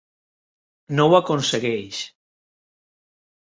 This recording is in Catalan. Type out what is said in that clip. No ho aconsegueix.